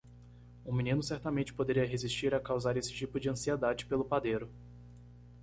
O menino certamente poderia resistir a causar esse tipo de ansiedade pelo padeiro.